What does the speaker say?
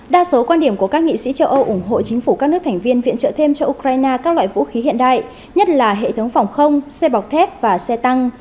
đa số quan điểm của các nghị sĩ châu âu ủng hộ chính phủ các nước thành viên viện trợ thêm cho ukraine các loại vũ khí hiện đại nhất là hệ thống phòng không xe bọc thép và xe tăng